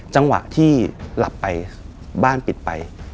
จังหวะที่หลับไปบ้านปิดไป